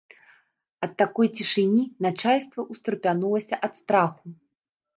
Ад такой цішыні начальства ўстрапянулася ад страху.